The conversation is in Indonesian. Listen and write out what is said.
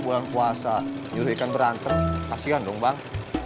bulan puasa nyuruh ikan berantem kasihan dong bang